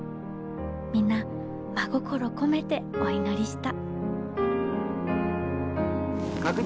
皆真心込めてお祈りした」。